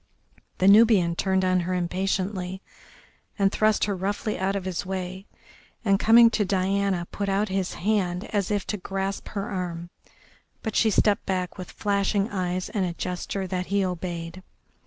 The Nubian turned on her impatiently and thrust her roughly out of his way, and, coming to Diana, put out his hand as if to grasp her arm, but she stepped back with flashing eyes and a gesture that he obeyed.